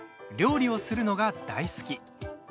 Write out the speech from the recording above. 料理をするのが大好き。